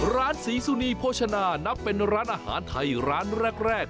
ร้านศรีสุนีโภชนานับเป็นร้านอาหารไทยร้านแรก